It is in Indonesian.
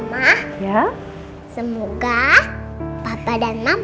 mama lagi di halaman